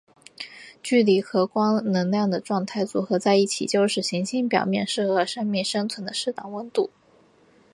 距离和光能量的状态组合在一起就是行星表面适合生命生存的适当温度。